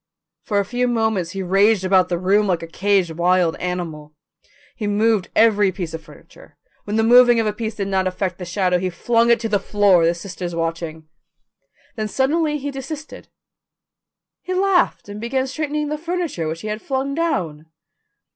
For a few moments he raged about the room like a caged wild animal. He moved every piece of furniture; when the moving of a piece did not affect the shadow, he flung it to the floor, the sisters watching. Then suddenly he desisted. He laughed and began straightening the furniture which he had flung down.